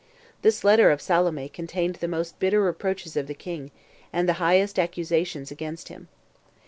This letter of Salome contained the most bitter reproaches of the king, and the highest accusations against him.